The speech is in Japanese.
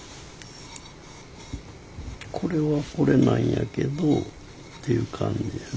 これはこれなんやけどっていう感じですね。